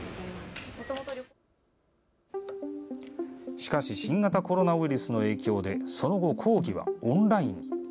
しかし新型コロナウイルスの影響でその後、講義はオンラインに。